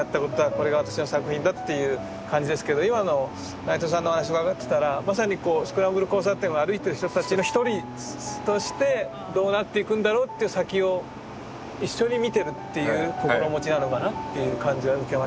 これが私の作品だっていう感じですけど今の内藤さんの話伺ってたらまさにこうスクランブル交差点を歩いてる人たちの一人としてどうなっていくんだろうっていう先を一緒に見てるっていう心持ちなのかなっていう感じは受けましたけども。